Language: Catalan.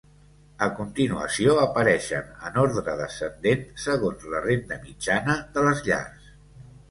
A continuació, apareixen en ordre descendent segons la renda mitjana de les llars.